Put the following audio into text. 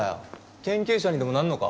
研究者にでもなんのか？